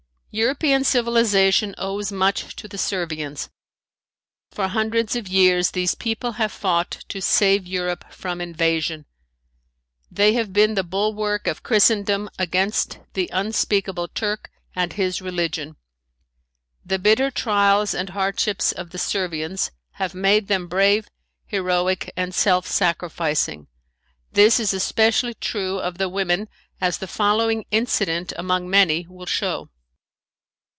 European civilization owes much to the Servians. For hundreds of years these people have fought to save Europe from invasion. They have been the bulwark of Christendom against the unspeakable Turk and his religion. The bitter trials and hardships of the Servians have made them brave, heroic and self sacrificing. This is especially true of the women as the following incident among many will show.